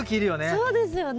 そうですよね。